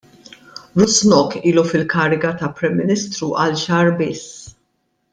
Rusnok ilu fil-kariga ta' Prim Ministru għal xahar biss.